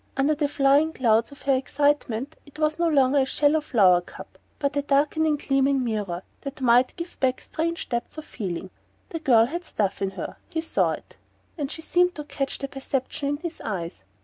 Under the flying clouds of her excitement it was no longer a shallow flower cup but a darkening gleaming mirror that might give back strange depths of feeling. The girl had stuff in her he saw it; and she seemed to catch the perception in his eyes.